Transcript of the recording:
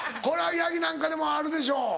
これは八木なんかでもあるでしょ？